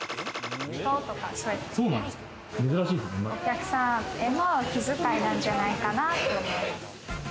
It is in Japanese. お客さんへの気遣いなんじゃないかなって思います。